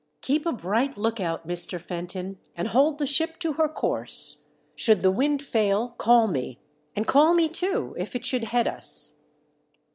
Keep a bright look out, Mr. Fenton, and hold the ship to her course. Should the wind fail call me— and call me too if it should head us.